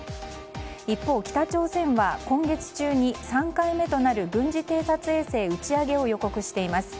一方、北朝鮮は今月中に３回目となる軍事偵察衛星打ち上げを予告しています。